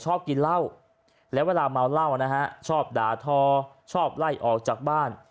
ชอบกินเหล้าแล้วเวลาเมาเหล้านะฮะชอบด่าทอชอบไล่ออกจากบ้าน